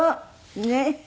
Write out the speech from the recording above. ねえ。